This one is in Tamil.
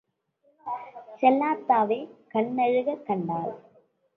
செல்லாத்தாவே கண்ணழுகக் கண்டாள்.